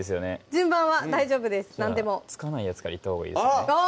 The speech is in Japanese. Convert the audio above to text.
順番は大丈夫です何でもつかないやつからいったほうがいいですよね